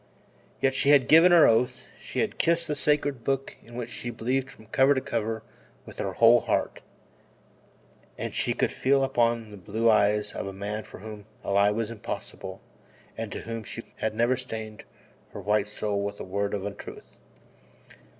Yet she had given her oath, she had kissed the sacred Book in which she believed from cover to cover with her whole heart, and she could feel upon her the blue eyes of a man for whom a lie was impossible and to whom she had never stained her white soul with a word of untruth.